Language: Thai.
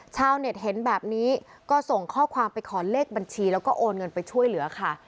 ชาวเน็ตเห็นแบบนี้ก็ส่งข้อความไปขอเลขบัญชีแล้วก็โอนเงินไปช่วยเหลือค่ะ